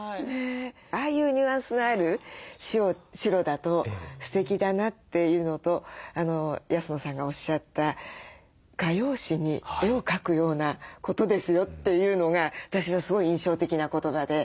ああいうニュアンスのある白だとすてきだなっていうのと安野さんがおっしゃった「画用紙に絵を描くようなことですよ」というのが私はすごい印象的な言葉で。